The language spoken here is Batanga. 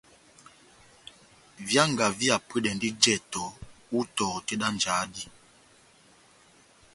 Výanga vihapwedɛndi jɛtɔ ó itɔhɔ tɛ́h dá njáhá dí.